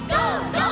「ゴー！